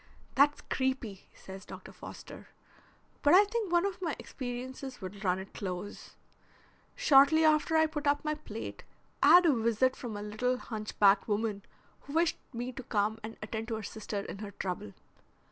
"That's creepy," says Dr. Foster. "But I think one of my experiences would run it close. Shortly after I put up my plate I had a visit from a little hunch backed woman who wished me to come and attend to her sister in her trouble.